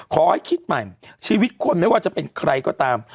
ขอให้คิดใหม่ชีวิตคนไม่ว่าจะเป็นใครก็ตาม